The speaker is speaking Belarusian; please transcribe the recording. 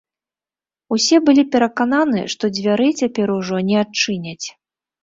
Усе былі перакананы, што дзвярэй цяпер ужо не адчыняць.